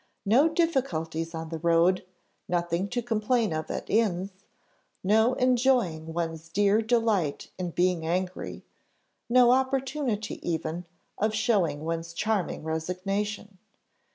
No difficulties on the road, nothing to complain of at inns, no enjoying one's dear delight in being angry, no opportunity even of showing one's charming resignation.